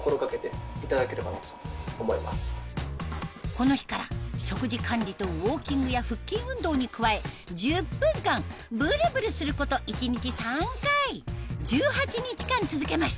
この日から食事管理とウオーキングや腹筋運動に加え１０分間ブルブルすること一日３回１８日間続けました